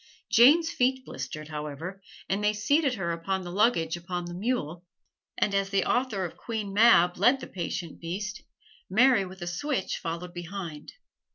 Jane's feet blistered, however, and they seated her upon the luggage upon the mule, and as the author of "Queen Mab" led the patient beast, Mary with a switch followed behind.